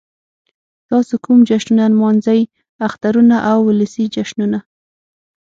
تاسو کوم جشنونه نمانځئ؟ اخترونه او ولسی جشنونه